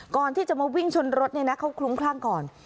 ก่อนที่จะมาวิ่งชนรถเนี่ยนะเขาคลุ้มคลั่งก่อน